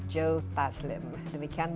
joe taslim demikian